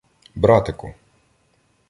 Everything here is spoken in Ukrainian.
братику.